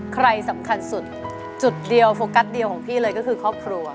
ใครสำคัญสุดจุดเดียวโฟกัสเดียวของพี่เลยก็คือครอบครัว